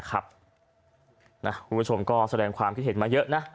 คุณผู้ชมก็แสดงความคิดเห็นมาเยอะนะ